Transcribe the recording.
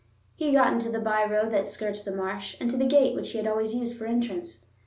He got into the by road that skirts the marsh, and to the gate which he had always used for entrance.